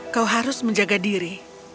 kau harus menjaga diri